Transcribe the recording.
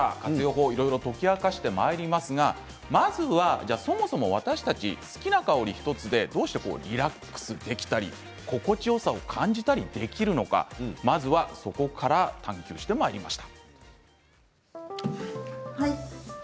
まずはそもそも私たち好きな香り１つどうしてリラックスできたり心地よさを感じたりできるのかまずはそこから探究してまいりました。